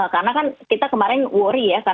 karena kan kita kemarin worry ya